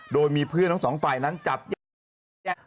โดยมีพื้นของ๒ฝ่ายนั้นจับอยากได้แยก